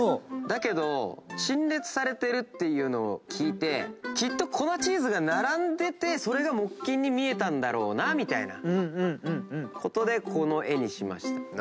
だけど陳列されてるってのを聞いてきっと粉チーズが並んでてそれが木琴に見えたんだろうなみたいなことでこの絵にしました。